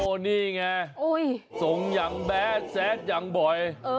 โอ้นี่ไงโอ้ยทรงอย่างแบดเสดอย่างบ่อย